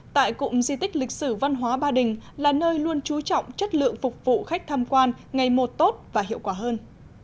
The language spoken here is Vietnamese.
tại cụm di tích lịch sử văn hóa ba đình là nơi luôn trú trọng chất lượng phục vụ khách tham quan ngày một tốt và hiệu quả hơn